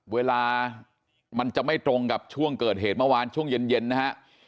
เวลามันจะไม่ตรงกับช่วงเกิดเหตุเมื่อวานช่วงเย็นนะฮะ